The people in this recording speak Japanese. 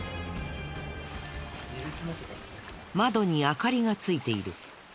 窓に明かりがついている。